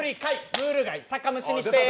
ムール貝酒蒸しにして。